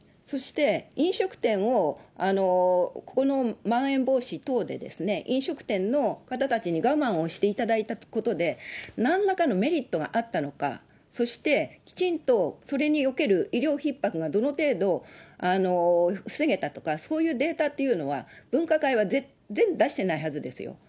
そして、飲食店を、このまん延防止等でですね、飲食店の方たちに我慢をしていただいたことで、なんらかのメリットがあったのか、そして、きちんと、それにおける医療ひっ迫がどの程度防げたとか、そういうデータというのは、分科会は全然出してないはずですよ。